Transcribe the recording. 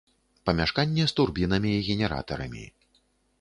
Памяшканне з турбінамі і генератарамі.